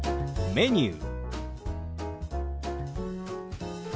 「メニュー」。